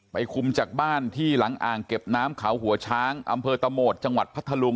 คุมจากบ้านที่หลังอ่างเก็บน้ำเขาหัวช้างอำเภอตะโหมดจังหวัดพัทธลุง